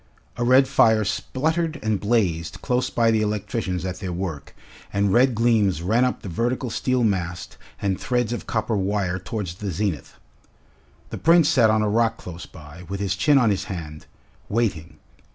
A red fire spluttered and blazed close by the electricians at their work, and red gleams ran up the vertical steel mast and threads of copper wire towards the zenith. The Prince sat on a rock close by, with his chin on his hand, waiting.